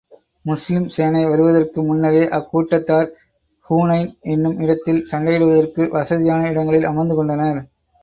முஸ்லிம் சேனை வருவதற்கு முன்னரே, அக்கூட்டத்தார் ஹூனைன் என்னும் இடத்தில், சண்டையிடுவதற்கு வசதியான இடங்களில் அமர்ந்து கொண்டனர்.